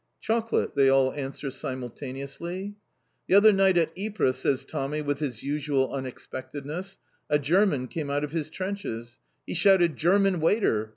"Chocolate," they all answer simultaneously. "The other night at Ypres," says Tommy with his usual unexpectedness, "a German came out of his trenches. He shouted: 'German waiter!